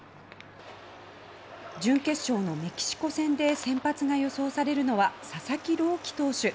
準決勝のメキシコ戦で先発が予想されるのは佐々木朗希投手。